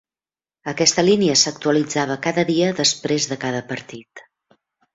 Aquesta línia s'actualitzava cada dit després de cada partit.